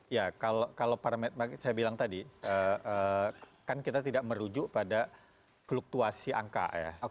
ya kalau saya bilang tadi kan kita tidak merujuk pada fluktuasi angka ya